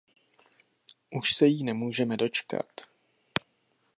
Už se jí nemůžeme dočkat!